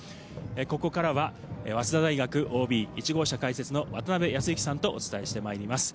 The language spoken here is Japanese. ここからは早稲田大学ＯＢ、１号車解説の渡辺康幸さんとお伝えしてまいります。